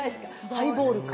ハイボールか。